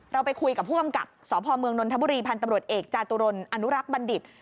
เราไปคุยกับผู้กำกับสพเมืองนนทบุรีพันธ์ตำรวจเอกจาตุรนอนุรักษ์บัณฑิต